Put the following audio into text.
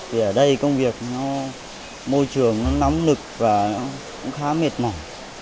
vì ở đây công việc môi trường nó nóng lực và cũng khá mệt mỏi